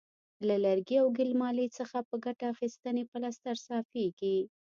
له لرګي او ګل مالې څخه په ګټه اخیستنې پلستر صافیږي.